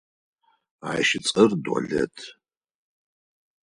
Ащ ыцӏэр Долэт.